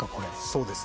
そうです。